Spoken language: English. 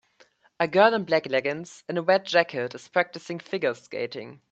A girl in black leggings and a red jacket is practicing figure skating.